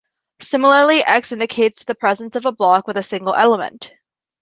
Similarly, "x" indicates the presence of a block with a single element.